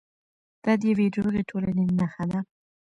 دا د یوې روغې ټولنې نښه ده.